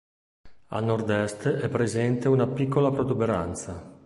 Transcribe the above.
A nordest è presente una piccola protuberanza.